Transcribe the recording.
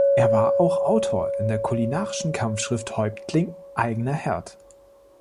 Er war auch Autor in der kulinarischen Kampfschrift "Häuptling Eigener Herd".